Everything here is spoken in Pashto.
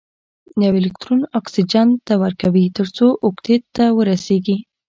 یو الکترون اکسیجن ته ورکوي تر څو اوکتیت ته ورسیږي.